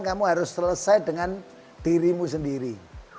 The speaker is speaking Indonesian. kamu harus selesai dengan dirimu sendiri